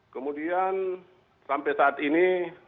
kemudian sampai saat ini